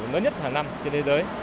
nó nhất hàng năm trên thế giới